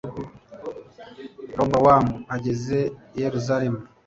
robowamu ageze i yeruzalemu